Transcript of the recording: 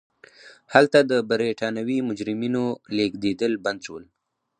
هلته د برېټانوي مجرمینو لېږدېدل بند شول.